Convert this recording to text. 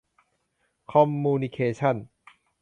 คอมมูนิเคชั่น